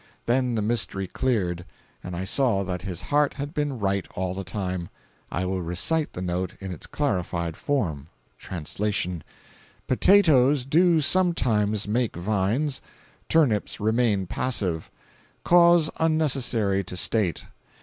Then the mystery cleared, and I saw that his heart had been right, all the time. I will recite the note in its clarified form: [Translation.] 'Potatoes do sometimes make vines; turnips remain passive: cause unnecessary to state.